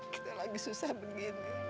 kita lagi susah begini